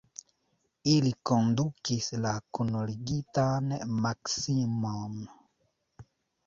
Ili kondukis la kunligitan Maksimon.